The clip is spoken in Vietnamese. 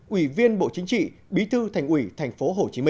ủy viên bộ chính trị bí thư thành ủy tp hcm